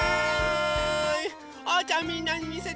おうちゃんみんなにみせて！